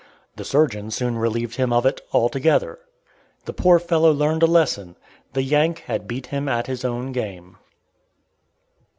The surgeon soon relieved him of it altogether. The poor fellow learned a lesson. The "Yank" had beat him at his own game.